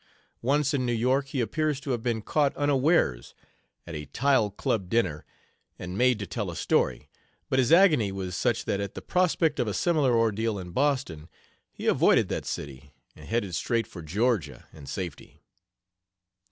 Once in New York he appears to have been caught unawares at a Tile Club dinner and made to tell a story, but his agony was such that at the prospect of a similar ordeal in Boston he avoided that city and headed straight for Georgia and safety.